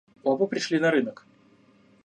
Оба пришли на рынок.